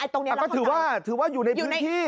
ตรงนี้แล้วคนไหนถือว่าอยู่ในพื้นที่